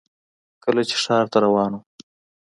کله چې ښار ته روان وم .